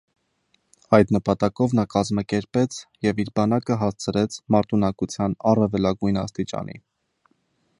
Այդ նպատակով նա կազմակերպեց և իր բանակը հասցրեց մարտունակության առավելագույն աստիճանի։